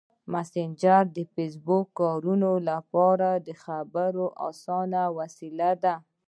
مسېنجر د فېسبوک کاروونکو لپاره د خبرو اسانه وسیله ده.